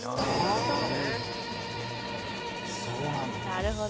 「なるほど」